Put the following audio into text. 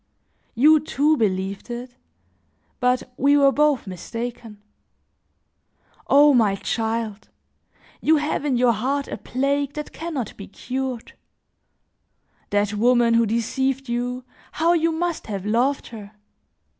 You, too, believed it, but we were both mistaken. O my child! You have, in your heart, a plague that can not be cured; that woman who deceived you, how you must have loved her!